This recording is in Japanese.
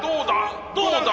どうだ？